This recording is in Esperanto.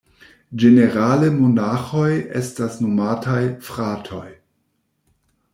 Ĝenerale monaĥoj estas nomataj "fratoj".